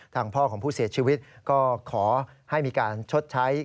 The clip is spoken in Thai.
ทางพ่อของผู้เสียชีวิตก็ขอให้มีการชดใช้